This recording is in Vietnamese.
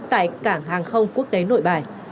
tại cảng hàng không quốc tế nội bài